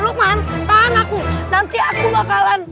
lohkman tahan aku nanti aku bakalan